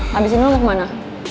habis ini mau kemana